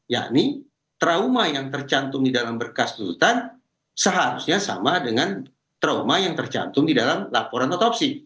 yakni trauma yang tercantum di dalam berkas tuntutan seharusnya sama dengan trauma yang tercantum di dalam laporan otopsi